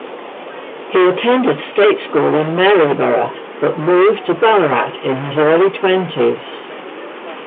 He attended state school in Maryborough, but moved to Ballarat in his early twenties.